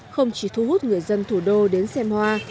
không chỉ thu hút người dân thủ đô đến xem hoa